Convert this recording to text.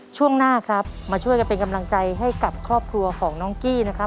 ช่วงหน้าครับมาช่วยกันเป็นกำลังใจให้กับครอบครัวของน้องกี้นะครับ